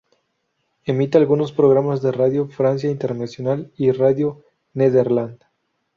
Emite algunos programas de Radio Francia Internacional y Radio Nederland.